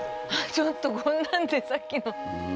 ちょっとこんなんでさっきの。